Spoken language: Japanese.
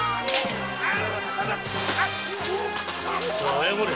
謝れ！